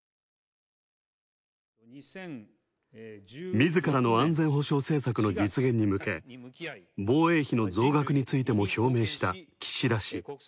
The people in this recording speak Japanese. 自らの安全保障政策に実現に向け、防衛費の増額についても表明した岸田氏。